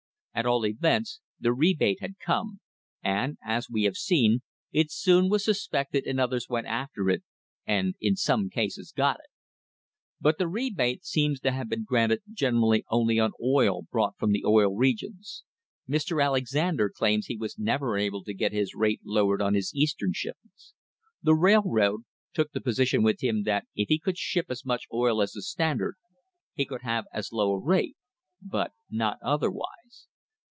At all events the rebate had come, and, as we have seen, it soon was suspected and others went after it, and in some cases got it. But the THE RISE OF THE STANDARD OIL COMPANY rebate seems to have been granted generally only on oil brought from the Oil Regions. Mr. Alexander claims he was never able to get his rate lowered on his Eastern shipments. The railroad took the position with him that if he could ship as much oil as the Standard he could have as low a rate, but not otherwise.